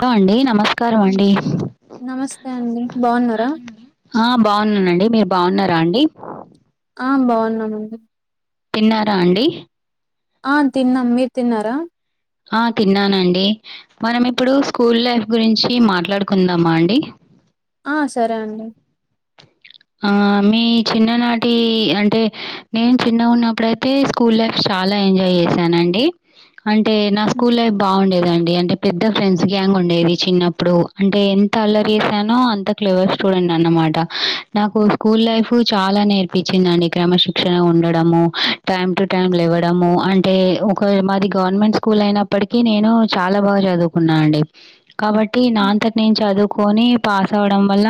Hello అండి నమస్తే నమస్తే అండి బాగున్నారా ఆ బాగున్నానండి మీరు బాగున్నారా అండి ఆ బాగున్నామండి తిన్నారా అండి ఆ తిన్నాం మీరు తిన్నారా ఆ తిన్నానండి మనం ఇప్పుడు స్కూల్ లైఫ్ గురించి మాట్లాడుకుందా మా అండి ఆ సరే అండి ఆ మీ చిన్ననాటి అంటే నేను చిన్న ఉన్నప్పుడయితే స్కూల్ లైఫ్ స్టా చాలా ఎంజాయ్ చేశానండి అంటే నా ఉమ్, స్కూల్ లైఫ్ బాగుండేదండి అంటే పెద్ద ఫ్రెండ్స్ గ్యాంగ్ ఉండేది. చిన్నప్పుడు అంటే తల తిసానో అంత క్లోజ్ స్టూడెంట్ అన్నమాట నాకు స్కూల్ లైఫ్ చాలా నేర్పించిందండి క్రమశిక్షణ ఉండడము టైమ్ టు టైమ్ లేవ లేవడం అంటే ఒక మాది గవర్నమెంట్ స్కూల్ అయినప్పటికీ నేను చాలా బాగా చదువుకున్నానుఅండి కాబట్టి నా అంతటి నేను చదువుకొని పాస్ అవడం వల్ల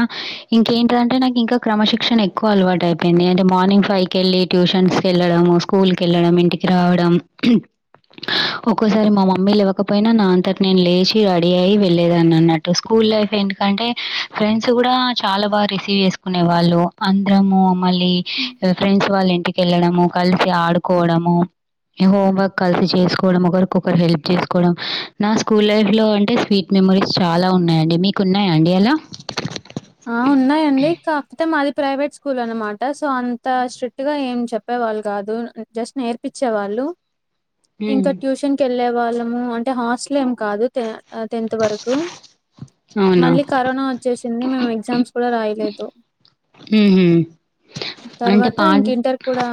ఇంకేంటిదంటే నాకు ఇంకా క్రమశిక్షణ ఎక్కువ అలవాటు అయిపోయింది అంటే మార్నింగ్ ఫైవ్ కెల్లి ట్యూషన్స్ కి వెళ్లడం స్కూల్ కి వెళ్లడం ఇంటికి రావడం ఒక్కోసారి మా మమ్మీ లేవ్వకపోయినా నా అంతటి నేను లేచి రెడీ అయి వెళ్లేదాని అన్నట్టు స్కూల్ స్కూల్ లైఫ్ ఏంటంటే ఫ్రెండ్స్ కూడా చాలా బాగా రిసీవ్ చేసు కునే వాళ్ళు అందరము మళ్ళీ ఉమ్. ఫ్రెండ్స్ వాళ్ళ ఇంటిక వెళ్ళడము కలిసి ఆడుకోవడం మో హోంవర్క కలిసి చేసుకోవడం ఒకరికొకరు హెల్ప్ చేసుకోవడం నా స్కూల్ లైఫ్ లో అంటే స్వీట్ మెమ మెమోరీస్ చాలా ఉన్నాయండి మీకు ఉన్నాయండి అలా ప్రస్తుతం అది ప్రైవేట్ స్కూల్ అన్నమాట సో అంత స్ట్రిక్ట్ గా ఏం చెప్పేవాళ్ళు కాదు జస్ట్ నేర్పిచ్చి వచ్చేవాళ్లు హ్మ్. ఇంకా ట్యూషన్ కి వెళ్లే వాళ్ళము అంటే హాస్టల్ కాదు తే ఆ టెన్త్ వరకు అవునా? మళ్ళీ కరోనా వచ్చేసింది మేమ్ ఎగ్జామ్స్ కూడా రాయలేదు హుహు. అంటే తర్వాత పాట్ ఇంక ఇంటర్ కూడా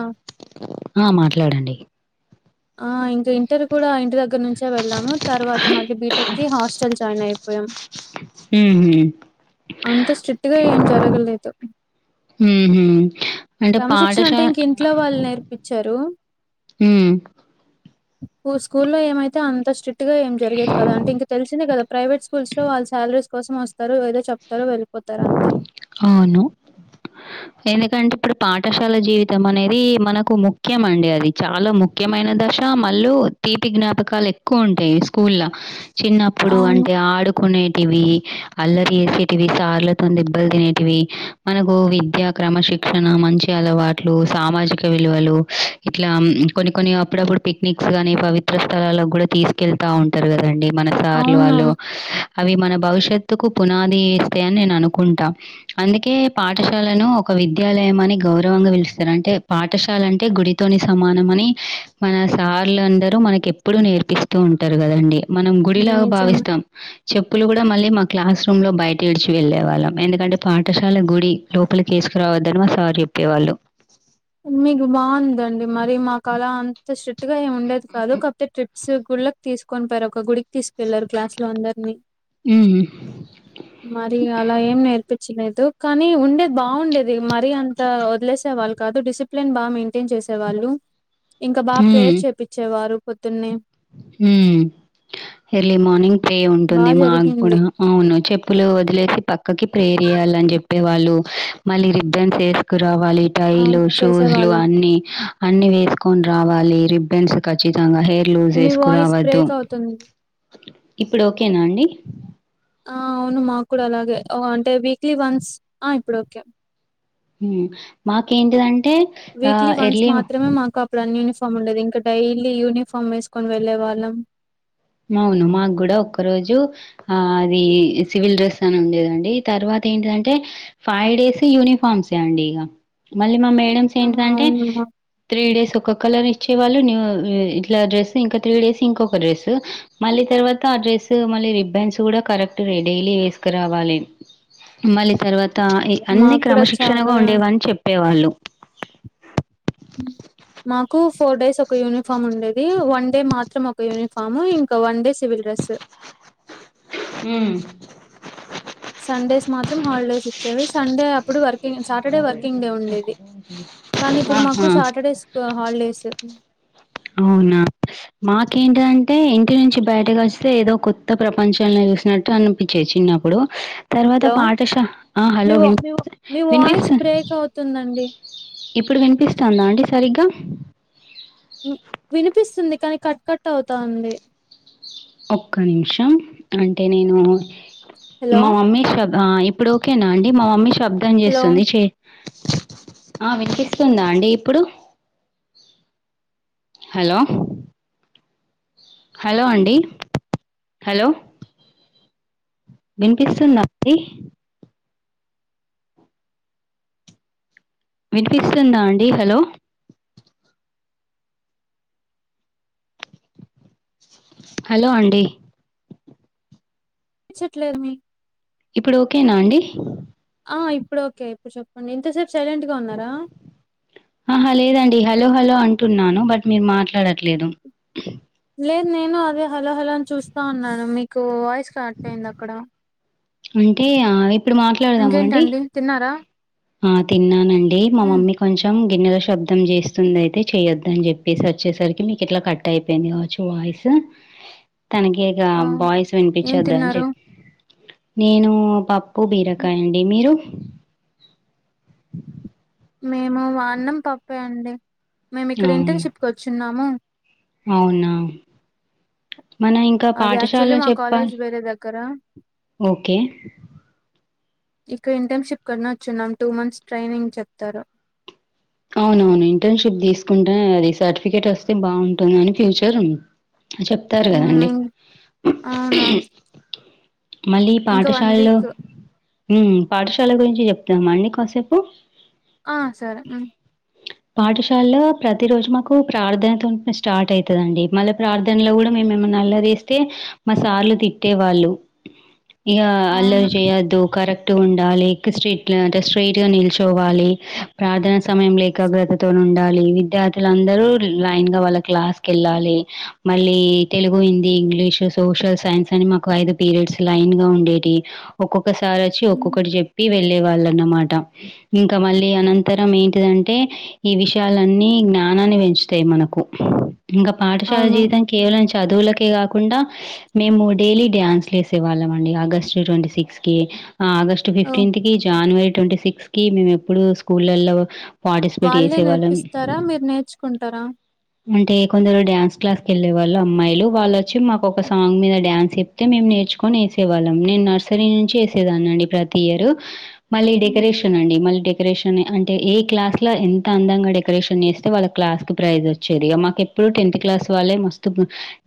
ఆ! మాట్లాడండి. ఆ ఇంకా ఇంటర్ కూడా ఇంటి దగ్గర నుంచి వెళ్ళాము తర్వాత మళ్ళీ బీటెక్కిి హాస్టల్ జాయిన్ అయిపోయాము. ఉహు అంత స్ట్రిక్ట్ గా ఏం జరగలేదు హుహు. అంటే క్రమశిక్షణ అంటే పాఠశా ఇంక‌ ఇంట్లో వాళ్ళు నేర్పించారు. హ్మ్. కు స్కూల్లో ఏమైతే అంత స్ట్రిక్ట్ గా ఏం జరిగేది. కదా అంటే ఇంక తెలిసిందే కదా ప్రైవేట్ స్కూల్స్ లో వాళ్ళ శాలరీ కోసం వస్తారు. ఏదో చెప్తారో వెళ్ అవును ఎందుకంటే ఇప్పుడు పాఠశాల జీవితం అనేది మనకు ముఖ్యం అండి అది చాలా ముఖ్యమైన దశ మళ్ళు తీపి జ్ఞాపకాలు ఎక్కువ ఉంటాయి స్కూల్ ల చిన్నప్పుడు అవును అంటే ఆడుకునేటివి అల్లరి వేసేటివి సార్ దెబ్బలు తినేవి మనకు విద్యా క్రమ శిక్షణ మంచి అలవాట్లు సామాజిక విలువలు ఇట్లా కొన్ని కొన్ని అప్పుడప్పుడు పిక్నిక్స్ గానీ పవిత్ర స్థలాాలకు కూడా తీసుకెళ్త ఉంటారు కదండి మన సార్లు అవును వాళ్ళు అవి మన భవిష్యత్తుకు పునాది ఇస్తే అని నే అనుకుంటా అందుకే పాఠశాలను ఒక విద్యాలయం అని గౌరవంగా పిలుస్తారు. అంటే పాఠా పాఠశాలంటే గుడితోని సమానం అని మన సార్లుందరూ మనకి ఎప్పుడుూ నేర్పిస్తూ ఉంటారు కదండి మనం గుడిలాగా నిజమే భావిస్తాం చెప్పులు కూడా మళ్ళీ మా క్లాస్ రూమ్ లో బయటచు వెళ్ళే వాళ్ళం ఎందుకంటే పాఠశాల గుడి లోపలికి వేసుకురావద్దని మా సార్ చెప్పేవాళ్ళు మీకు బాగుందండి మరి మా కళ అంత స్ట్రిక్ట్ గా ఏమి ఉండేది కాదు కాకపోతే ట్రిప్ సర్ గుళ్ళకి తీసుకొనిపోయారు ఒక గుడికి తీసుకెళ్లారు గ్లాస్ లో అందరిని హ్మ్. మరి అలా ఏం నేర్పించిలేదు కానీ ఉండేది. బాగుండేది మరి అంత వదిలేసే వాళ్ళ కాదు డిసిప్లిన్ బాగా మెయింటైన్ చేసేవాళ్ళు ఇంకా బాగా ప్రేయర్ చేపించేవారు పొద్దున్నే హు ఎర్లీ మార్నింగ్ ప్రే ఉంటుంది బాగా మాకు కూడా జరిగింది అవును చెప్పులు వదిలేసి పక్కకి ప్రేర్ చేస్ నిలబడలని చెప్పేవాళ్ళు మళ్ళీ రిబ్బన్స్ వేసుకు రావాలి టైలు అవును షూస్లు చేసేవాళ్ళం అన్ని అన్ని వేసుకుని రావాలి రిబ్బెన్స్ ఖచ్చితంగా హెయిర్ గ్లూజ్ మీ వాయిస్ వేసుకురావద్దు బ్రేక్ అవుతుంది ఇప్పుడు ఓకేనా అండి ఆ అవును మాకు కూడా అలాగే అంటే వీక్లీ వన్స్ ఆ ఇప్పుడు ఓకే మాకేంటిదండి వీక్లీ వన్స్ మాత్రమే మాకు అప్పుడు యూనిఫార్ ఫా ఉండది ఇంకా డైలీ యూనిఫామ్ వేసుకొని వెళ్ళే వాళ్ళం అవును మాకు కూడా ఒక్క రోజు ఆ అది సివిల్ డ్రెస్ అని ఉండేదండి తర్వాత ఏంటంటే ఫైవ్ డేస్ యూనిఫార్మ్స్ ఏ అండి ఇక మళ్ళీ మా ఆహా ఏంటంటే అవును మా త్రీ డేస్ ఒ కలర్ ఇ వేవాళ్ళు నవవు ఇట్లా డ్రెస్ ఇంకా త్రీ డేస్ ఇంకొక డ్రెస్ మళ్ళీ తర్వాత ఆ డ్రెస్ మళ్ళీ రిబన్స్ కూడా కరెక్ట్ డైలీ వేసుకురావాలి మళ్ళీ తర్వాత అన్ని మాకు కూడా క్రమశిక్షణగా చాలా ఉండేవని చెప్పేవాళ్ళు హ్మ్. మాకు ఫోర్ డేస్ ఒక యూనిఫామ్ ఉండేది వన్ డే మాత్రం ఒక యూనిఫామ్ ఇంకా వన్ డే సివిల్ డ్రెస్ ఉమ్ సండేస్ మాత్రం హాలిడేస్ వచ్చేవి సండే అప్పుడు ఇప్పుడు వర్కింగ్ సాటర్డే వర్కింగ్ డే ఉండేది కానీ ఇప్పుడు ఆహా మాకు సాటర్డేస్ హాలిడేస్ అవునా మాకేంటంటే ఇంటి నుంచి బయటకు వస్తే ఏదో కొత్త ప్రపంచంలో చూసినట్టు అనిపించేసి నప్పుడు. తర్వాత హలో పాఠశ ఆ మీ హలో వా వి మీ వాయిస్ విన్పిస్తోందా? బ్రేక్ అవుతుందండి ఇప్పుడు వినిపిస్తుందా అండి సరిగ్గా వినిపిస్తుంది కానీ కట్ కట్ అవుతుంది. ఒక్క నిమిషం, అంటే నేను హలో మా మమ్మీ శ్ర ఇప్పుడు ఓకేనా అండి మా మమ్మీ శబ్దం హలో చేస్తుంది చే ఆ వినిపిస్తుందా అండి ఇప్పుడు. హలో! హలో! అండి హలో వినిపిస్తుందా అండి. వినిపిస్తుందా అండి హలో! హలో! అండి. వినిపించట్లేదు మీ ఇప్పుడు ఓకేనా అండి ఇప్పుడు ఓకే ఇప్పుడు చెప్పండి ఇంతసేపు సైలెంట్గా ఉన్నారా? ఆహా! లేదండి హలో హలో అంటున్నాను బట్ మీరు మాట్లాడట్లేదు. లేదు. నేను అదే హలో హలో అని చూస్తా ఉన్నాను. మీకు వాయిస్ కట్ అయింది అక్కడ అంటే ఇప్పుడు మాట్లాడదామా అండి. ఇంకేంటండి తిన్నారా ఆ తిన్నానండి మా ఉమ్, మమ్మీ కొంచెం గిన్నెల శబ్దం చేస్తుంది. అయితే చేయొద్దు అని చెప్పేసి వచ్చేసరికి మీకు ఇట్లా కట్ అయిపోయింది కావచ్చు వాయిస్. తనకిక ఆ వాయిస్ ఏం వినిపించొద్దు అని తిన్నారు చెప్పి నేను పా పప్పు బీరకాయ అండి మీరు [inaudible] మేము అన్నం పప్పే అండి. మేము ఇక్కడ అవును ఇంటర్న్షిప్ క వచ్చినాము. అవునా మన ఇంకా అది యాక్చువల్లీ పాఠశాల్లో మా కాలేజ్ చెప్పాలి వేరే దగ్గర ఓకే [inaudible] ఇక ఇంటర్న్షిప్ కన్నా వచ్చున్నాం టూ మంత్స్ ట్రైనింగ్ చెప్తారు. అవునవును ఇంటర్న్షిప్ తీసుకుంటే అది సర్టిఫికెట్ వస్తే బాగుంటుంది అని ఫ్యూచర్ ఉ చెప్తారు మ్మ్ కదాండి. ఇం అవును మళ్ళీ ఇంకా వన్ పాఠశాలలో వీక్ ఉమ్ పాఠశాల గురించి చెప్తామా అండి కాసేపు ఆ సరే పాఠశాలలో ప్రతిరోజు మాకు ప్రార్థనతో ఉ స్టార్ట్ అవుతుందండి. మళ్ళీ ప్రార్థనలో కూడా మేమేమన్నా నల్ల తీస్తే మాసార్లు తిట్టే వాళ్ళు. ఇక అల్లరి అవును చేయొద్దు కరెక్ట్ ఉండాలి స్ట్రట్ అంటే స్ట్రయిట్ గా నిల్చోవాలి ప్రార్థనా సమయం లో ఏకాగ్రతతో ఉండాలి విద్యార్థులందరూ లైన్ గా వాళ్ళ క్లాస్ కి వెళ్ళాలి. మళ్ళీ Telugu, Hindi English, social, science అని మాకు ఐదు పీరియడ్స్ లైన్ గా ఉండేవి. ఒక్కొక్కసార్ వచ్చి హ్మ్. ఒక్కొక్కటి చెప్పి వెళ్ళే వాళ్ళన్నమాట. ఇంకా మళ్ళీ అనంతరం ఏంటిదంటే ఈ విషయాలన్నీ జ్ఞా జ్ఞానాన్ని పెంచుతాయి మనకు ఇంకా పాఠశాల అవును జీవితం కేవలం చదువులకే కాకుండా, మేము డైలీ డ్యాన్స్ క్లాస్ అండి ఆగస్ట్ ట్వంటీసిక్త్ కి ఆగస్ట్ ఓహ్! ఫిఫ్టీన్త్ కి జనవరి ట్వంటీ సిక్స్ కి మేము ఎప్పుడూ స్కూళ్ళలో హా వాళ్ళే నేర్పిస్తారా మీరు నేర్చుకుంటారా అంటే కొందరు డ్యాన్స్ క్లాస్ కి వెళ్ళే వాళ్ళు అమ్మాయిలు వాళ్ళు వచ్చి మాకు ఒక సాంగ్ మీద డ్యాన్స్ చెప్తే మేం నేర్చుకోని వేసేవాళ్ళం నేను నర్సరీ నుంచి వేసేదాన్ని అండీ ప్రతి ఇయరు మళ్లి హ్మ్. డెకరేషన్ అండి మల్ డెక్ డెకరేషన్ అంటే ఏ క్లాస్లో ఎంత అందంగా డెకరేషన్ చేస్తే వాళ్ళ క్లాస్ కి ప్రైజ్ వస్తుంది వచ్చేది మాకు ఎప్పుడు టెన్త్ క్లాస్ వాళ్ళే మస్తు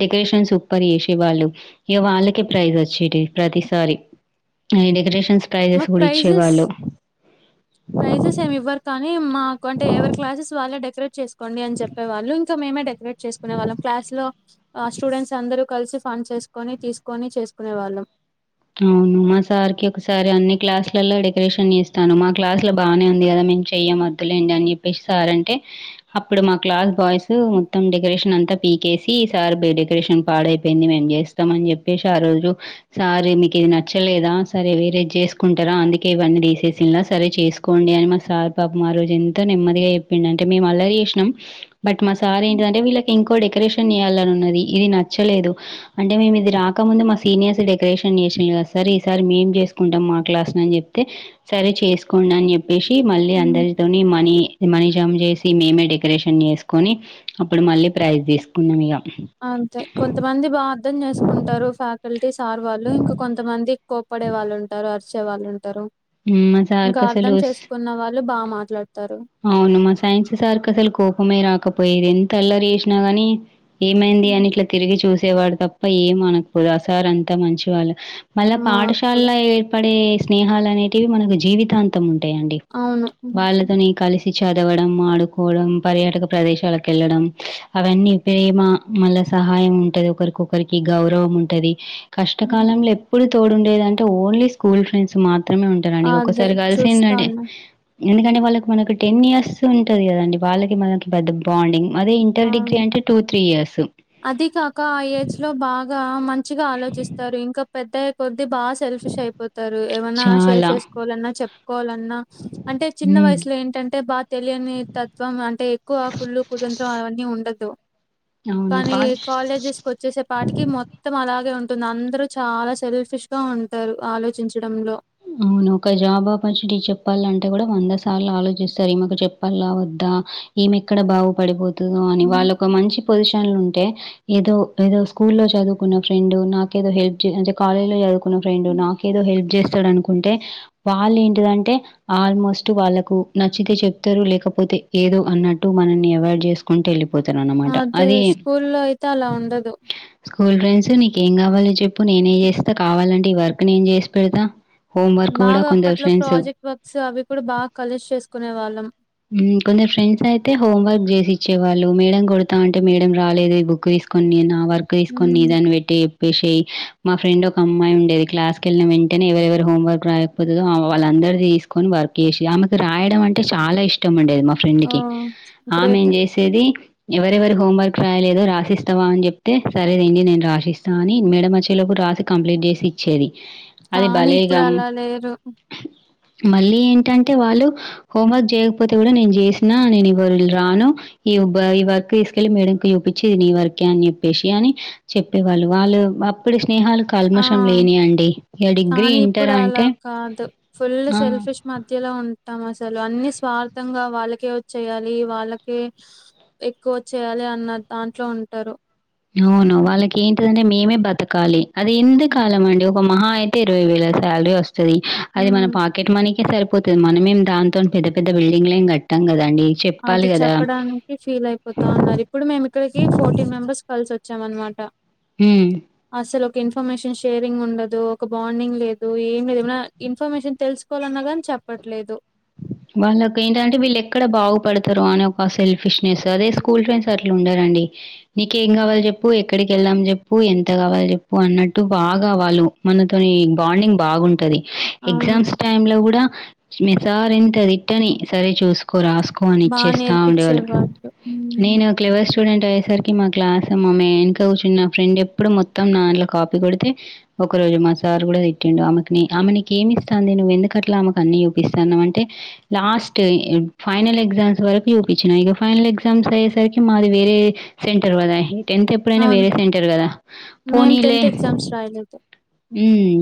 డెకరేషన్ సూపర్ చేసే వాళ్ళు ఇగ వాళ్ళకి ప్రైజ్ వచ్చేది ప్రతిసారి నేను డెకరేషన్స్ ప్రైజెస్ మాకు గూడా ప్రైజెస్ ఇచ్చేవాళ్ళు. ప్రైజెస్ ఏమి ఇవ్వరు కానీ మాకు అంటే ఎవరి క్లాసెస్ వాళ్ళు వాళ్లే డెకరేట్ చేసుకోండి అని చెప్పేవాళ్ళు ఇంకా మేమే డకరేట్ చేసుకునే వాళ్ళం క్లాస్ లో ఆ స్టూడెంట్స్ అందరూ కలిసి ఫండ్స్ వేసుకొని తీసుకొని చేసుకునేవాళ్ళం అవును మా సార్ కి ఒకసారి అన్ని క్లాస్ లలో డెకరేషన్ చేస్తాను మా క్లాస్ లో బాగానే ఉంది కదా ఇంకా చెయ్య వద్దులేండి అని చెప్పే సార్ అంటే అప్పుడు మా క్లాస్ బాయ్స్ మొత్తం డెకరేషన్ అంతా పీకేసి సార్ బ డెకరేషన్ పాడైపోయింది మేం చేస్తాం అని చెప్పేసి ఆ రోజు సార్ ఇది నచ్చలేదా సరే వేరేది చేసుకుంటారా అందుకే ఇవన్నీ తీసేసి ఇలా సరే చేసుకోండి అని మా సార్ పాపం ఆ రోజు ఎంత నెమ్మదిగా చెప్పిండు అంటే మేము అల్లరి చేసినాం బట్ మా సార్ ఏంటిది వాళ్ళం అంటే వీళ్ళకి ఇంకోటి డెకరేషన్ చేయాలి అని ఉన్నది ఇది నచ్చలేదు ఆ అంటే మేము ఇది రాకముందు మా సీనియర్స్ డెకరేషన్ చేసి సార్ ఈసారి మేం చేసుకుంటాం మా క్లాస్ ను అని చెప్తే సరే చేసుకోండి అని చెప్పి చెప్పేసి మళ్ళీ అందరితోని మనీ ది మనీజామ్ చేసి మేమే డెకరేషన్ చేసుకొని అప్పుడు మళ్ళీ ప్రైజ్ తీసుకున్నాం ఇగ అంతే కొంతమంది బా అర్థం చేసుకుంటారు ఫ్యాకల్టీ సార్ వాళ్ళు ఇంకా కొంతమంది కోప్పడే వాళ్ళు ఉంటారు అరిచే వాళ్ళు ఉంటారు మ్, మా ఇంకా సార్కి అర్థం అసలు స్- చేసుకున్న వాళ్ళు బా మాట్లాడుతారు అవును మా సైన్స్ సార్ కి అసలు కోపమే రాకపోయేది ఎంత అల్లరి చేసినా గాని ఏమైంది హ్మ్. అని ఇట్లా తిరిగి చూసేవాడు తప్ప ఏం అనకపోడు ఆ సార్ అంతా మంచి వాళ్ళు మళ్ళా మాకు కూడా పాఠశాలలో ఏర్పడే స్నేహాలు అనేటివి మనకు జీవితాంతం ఉంది ఉంటాయి అండీ అవును హ్మ్. వాళ్ళతోని కలిసి చదవడం ఆడుకోవడం పర్యాటక ప్రదేశాలకు వెళ్ళడం అవన్నీ ప్రేమ మళ్ళ సహాయం ఉంటది ఒకరికొకరికి గౌరవం ఉంటది హ్మ్. కష్టకాలంలో ఎప్పుడు తోడుండేది అంటే ఓన్లీ స్కూల్ ఫ్రెండ్స్ మాత్రమే మాత్రమే ఉంటారండి అదే ఒక్కసారి కలిసిండంటే చూస్తాను ఎందుకంటే వాళ్ళకి మనకు టెన్ ఇయర్స్ ఉంటది కదండి వాళ్ళకి మనకి పెద్ద బాండింగ్ అదే ఇంటర్ డిగ్రీ అవును అంటే టూ త్రీ ఇయర్సు అది కాక ఆ ఏజ్ లో బాగా మంచిగా ఆలోచిస్తారు ఇంకా పెద్దగయ్యే కొద్ది అది బాగా సెల్ఫిష్ అయిపోతారు ఏమన్నా షేర్ చాలా. చేసుకోవాలన్నా చెప్పుకోవాలన్నా అంటే చిన్న హ్మ్. వయసు అసలు ఏంటంటే బాగా తెలియని తత్వం అంటే ఎక్కువ కుళ్ళు కుతంత్రం అవన్నీ ఉండదు అవును. కానీ పాటి కాలేజెస్ కి వచ్చేసే పాటికి మొత్తం అలాగే ఉంటుంది ఉంటుంది అందరు చాలా సెల్ఫిష్ గా ఉంటారు ఆలోచించడంలో అవును ఒక జాబ్ ఆపర్చునిటీ చెప్పాలంటే కూడా వంద సార్లు ఆలోచిస్తారు ఈమె కు చెప్పాల్ల వద్ద వద్ద ఈమె ఎక్కడ బాగు పడిపోతుందో అని వాళ్ళకి ఒక మంచి పొజిషన్ ఉంటే ఏదో ఏదో స్కూల్లో చదువుకున్న ఫ్రెండ్ నాకేదో హెల్ప్ అంటే కాలేజ్ లో ఆదుకున్న ఫ్రెండ్ నాకేదో హెల్ప్ చేస్ అనుకుంటే వాళ్ళు ఏంటిదంటే ఆల్మోస్ట్ వాళ్ళకు నచ్చితే చెప్తారు లేకపోతే ఏదో అన్నట్టు మనల్ని అవాయిడ్ చేసుకుంటూ వెళ్ళిపోతే పోతారు అన్నమాట అదే అది స్కూల్లో అయితే అలా ఉండదు స్కూల్ ఫ్రెండ్స్ నీకేం కావాలో చెప్పు నేనేం చేస్తా కావాలంటే ఈ వర్క్ నేను చేసి పెడతా హోమ్ వర్క్ గూడా బాగా కొందరు అప్పట్లో ఫ్రెండ్స్ ప్రాజెక్ట్ వర్క్స్ అవి కూడా బాగా కలిసి చేసుకునే వాళ్ళం కొందరు ఫ్రెండ్స్ అయితే హోం వర్క్ చేసి ఇచ్చేవాళ్ళు మేడం కొడతా అంటే మేడం రాలేదు ఈ బుక్ ఇ తీసుకొని నా వర్క్ తీసుకొని దాన్ని పెట్టి చెప్పేసి మా ఫ్రెండ్ ఒక అమ్మాయి ఉండేది క్లాస్ క వెళ్ళిన వెంటనే ఎవరెవరు హోంవర్క్ రాకపోతుదో వాళ్లందర్ది తీసుకొని వా వర్క్ చేసి ఆమెకు రాయడం అంటే చాలా ఇష్ ఇష్టం ఉండేది మా ఫ్రెండ్ ఓ కి ఆమె ఏం గ్రేట్ చేసేది ఎవరెవరూ హోమ్ వర్క్ రాయలేదు రాసిస్తావా అని చెప్తే సరేదండి నేను రాసిస్తా అని మేడమ్ వచ్చేలోపు రాసి కంప్లీట్ చేసి ఇచ్చేది అది కానీ భలే ఇప్పుడు గమ్ అలా లేరు మళ్ళీ ఏంటం టే వాళ్ళు హోంవర్క్ చేయకపో పోతే కూడా నేను చేసినా నేను ఇవాళ రాను ఈ ఈ వర్క్ తీసుకెళ్ళి మేడం చూపించి నీ వర్క్ అని చెప్పేసి అని చెప్పేవాళ్ళు వాళ్ళు అప్పుడు స్నేహాలు ఆ కల్మషం లేని అండి డిగ్రీ కానీ ఇంటర్ ఇప్పుడు అలా అంటే కాదు ఫుల్ ఆ! సెల్ఫిష్ మధ్యలో ఉంటాం అసలు అన్ని స్వార్థంగా వాళ్ళకే వచ్చేయాలి వాళ్ళకే ఎక్కువ చేయాలి అన్నా దాంట్లో ఉంటారు అవును వాళ్ళకి ఏంటిదంటే మేమే బతకాలి అది ఎందు కాలం అండి ఒక మహా అయితే ఇరవై వేల సాలరీ వస్తది అది మన హ్మ్ పాకెట్ మనీ కే సరి పోతది మనమేం దాంతో పెద్ద పెద్ద బిల్డింగ్ ఏం కట్టాం కదా అది చెప్పడానికి ఫీల్ అయిపోతాన్నది ఇప్పుడు మేము ఇక్కడికి ఫోర్టీన్ మెంబర్స్ కలిసి వ చ్చాం అనమాట ఉ ఇన్ఫర్మేషన్ షేరింగ్ ఉండదు ఒక బాండింగ్ లేదు ఏం లేదు ఏ ఇన్ఫర్మేషన్ తెలుసుకోవాలన్నా కానీ చెప్ చెప్పట్లేదు వాళ్ళకి ఏంటంటే వీళ్ళు ఎక్కడ బాగుపడతారో అని ఒక సెల్ఫిష్నెస్ అదే స్కూల్ ఫ్రెండ్స్ అట్లు ఉండార నీకేం కావాలి చెప్పు ఎక్కడికి వెళ్ళాం చెప్పు ఎంత కావాలి చెప్పు అన్నట్టు బాగా వాళ్ళు ఉక్మనతోని ఈ బాండింగ్ బాగుంటది అవును. ఎగ్జామ్స్ టైమ్ లో కూడా మీ సార్ ఇంత తిట్టని సరే చూసుకో కో రాసుకోని బా ఇచ్చేస్తా ఉండేవాళ్ళు నేర్పిచ్చేవాళ్ళు. హ్మ్. నేను క్లేవర్స్ స్టూడెంట్ అయ్యేసరికి మా క్లాస్ మా మేన్క కూర్చున్న నా ఫ్రెండ్ ఎప్పుడు మొత్తం దంట్లో కాపీ కొడితే ఒక రోజు మా సారు కూడా తిట్టిండు ఆమెకిని ఆమె నీకు ఏమిస్తాంది నువ్వుందుకట్లా ఆమెకు అన్ని చూపిస్తాన్నా అంటే లాస్ట్ ఫైనల్ ఎగ్జామ్స్ వరకు చూపించిన ఇక ఫైనల్ ఎగ్జామ్స్ అయ్యేసరికి మాది వేరే సెంటర్ కదా టెన్త్ ఎప్పుడైనా అవును. వేరే సెంటర్ కదా మేము పోనీలే ఎగ్జామ్స్ రాయలేదు. ఉ